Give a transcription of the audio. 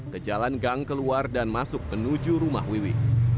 ke jalan gang keluar dan masuk menuju rumah wiwi